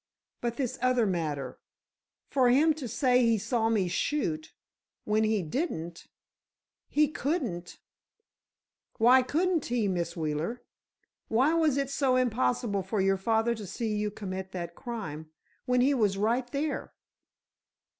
But this other matter—for him to say he saw me shoot—when he didn't—he couldn't——" "Why couldn't he, Miss Wheeler? Why was it so impossible for your father to see you commit that crime, when he was right there?"